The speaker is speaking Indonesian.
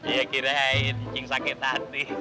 ya kirain yang sakit hati